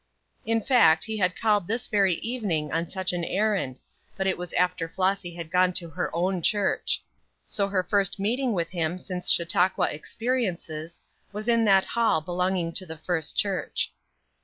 In fact he had called this very evening on such an errand, but it was after Flossy had gone to her own church. So her first meeting with him since Chautauqua experiences was in that hall belonging to the First Church.